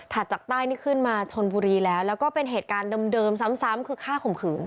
จากใต้นี่ขึ้นมาชนบุรีแล้วแล้วก็เป็นเหตุการณ์เดิมซ้ำคือฆ่าข่มขืน